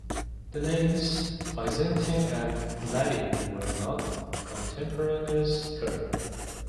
The names "Byzantine" and "Latin" were not contemporaneous terms.